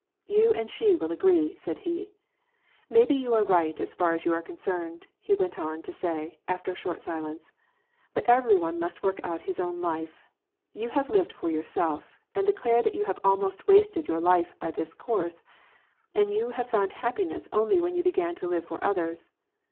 Yon and she will agree," said he. " May be you are right as far as you are concerned," he went on to say, after a short silence, "but every one must work out his own life. You have lived for yourself, and declare that you have almost wasted your life by this course, and you have found happiness only when you began to live for others.